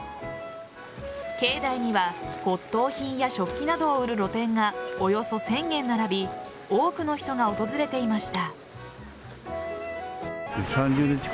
境内には骨董品や食器などを売る露店がおよそ１０００軒並び多くの人が訪れていました。